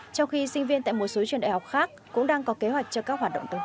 trong khi sinh viên tại một số trường đại học khác cũng đang có kế hoạch cho các hoạt động tương tự